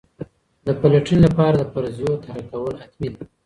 د پلټني لپاره د فرضیو طرحه کول حتمي دي.